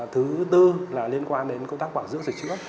thứ tư là liên quan đến công tác bảo dưỡng sửa chữa